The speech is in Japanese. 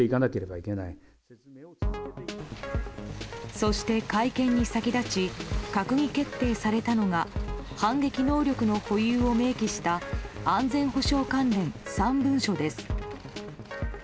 そして、会見に先立ち閣議決定されたのが反撃能力の保有を明記した安全保障関連３文書です。